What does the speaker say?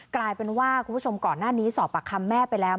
กลายเป็นว่าคุณผู้ชมก่อนหน้านี้สอบปากคำแม่ไปแล้ว